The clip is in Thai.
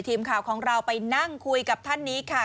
ทีมข่าวของเราไปนั่งคุยกับท่านนี้ค่ะ